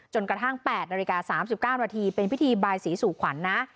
กระทั่ง๘นาฬิกา๓๙นาทีเป็นพิธีบายศรีสู่ขวัญนะ